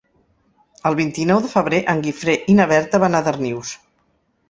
El vint-i-nou de febrer en Guifré i na Berta van a Darnius.